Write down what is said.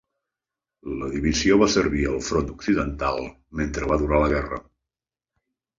La divisió va servir al front occidental mentre va durar la guerra.